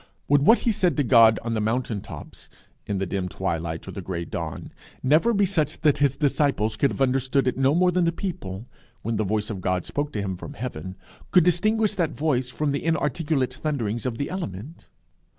Would what he said to God on the mountain tops, in the dim twilight or the gray dawn, never be such that his disciples could have understood it no more than the people, when the voice of God spoke to him from heaven, could distinguish that voice from the inarticulate thunderings of the element?